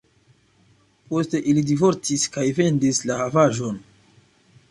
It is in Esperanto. Poste ili divorcis kaj vendis la havaĵon.